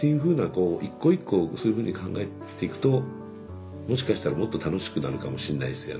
こう一個一個そういうふうに考えていくともしかしたらもっと楽しくなるかもしれないですよね。